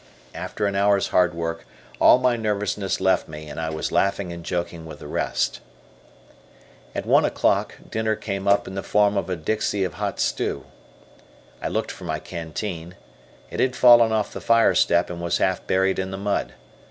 After an hour's hard work, all my nervousness left me, and I was laughing and joking with the rest. At one o'clock, dinner came up in the form of a dixie of hot stew. I looked for my canteen. It had fallen off the fire step, and was half buried in the mud.